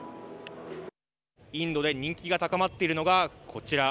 インドで人気が高まっているのがこちら。